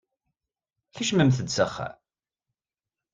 Kecmemt-d s axxam!